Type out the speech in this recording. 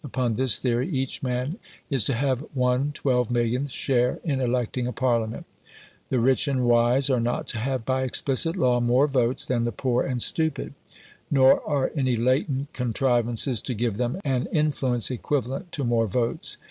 Upon this theory each man is to have one twelve millionth share in electing a Parliament; the rich and wise are not to have, by explicit law, more votes than the poor and stupid; nor are any latent contrivances to give them an influence equivalent to more votes.